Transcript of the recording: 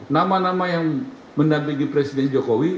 nama nama yang mendampingi presiden jokowi